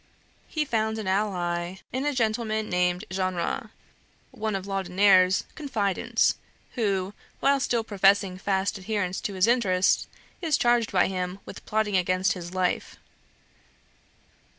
He found an ally in a gentleman named Genre, one of Laudonniere's confidants, who, while still professing fast adherence to his interests, is charged by him with plotting against his life.